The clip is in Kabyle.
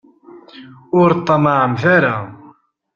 Ur ṭṭamaɛemt ara.